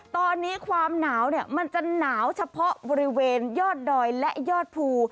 ตอนนี้ความหนาวมันจะหนาวเฉพาะบริเวณยอดดอยและยอดภู